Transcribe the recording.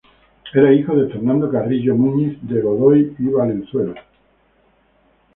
Era hijo de Fernando Carrillo Muñiz de Godoy y Valenzuela.